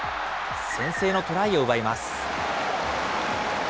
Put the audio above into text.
先制のトライを奪います。